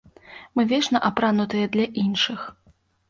Мы вечна апранутыя для іншых.